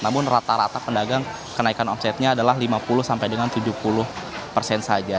namun rata rata pedagang kenaikan omsetnya adalah lima puluh sampai dengan tujuh puluh persen saja